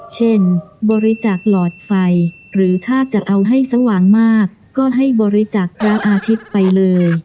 เช่นบริจาคหลอดไฟหรือถ้าจะเอาให้สว่างมากก็ให้บริจาคพระอาทิตย์ไปเลย